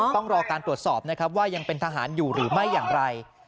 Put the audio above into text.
ต้องรอการตรวจสอบนะครับว่ายังเป็นทหารอยู่หรือไม่อย่างไร